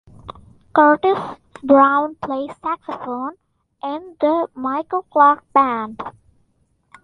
Curtis Brown plays saxophone in the Michael Clark Band.